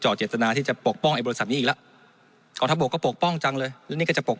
เจตนาที่จะปกป้องไอบริษัทนี้อีกแล้วกองทัพบกก็ปกป้องจังเลยแล้วนี่ก็จะปก